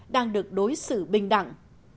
đang được đối xử bình đẳng